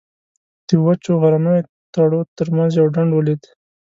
د وچو غرنیو تړو تر منځ یو ډنډ ولید.